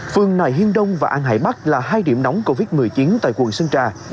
phường nài hiên đông và an hải bắc là hai điểm nóng covid một mươi chín tại quận sơn trà